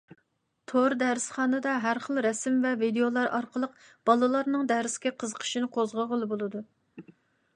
تور دەرسخانىسىدا ھەر خىل رەسىم ۋە ۋىدىيولار ئارقىلىق بالىلارنىڭ دەرسكە قىزىقىشىنى قوزغىغىلى بولىدۇ.